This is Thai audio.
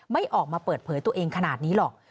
ไม่ออกมาเปิดเผยตัวเองขนาดนี้หรอก